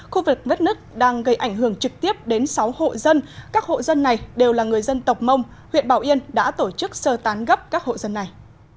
khu vực vết nứt đang gây ảnh hưởng trực tiếp đến sáu hộ dân các hộ dân này đều là người dân tộc mông huyện bảo yên đã tổ chức sơ tán gấp các hộ dân này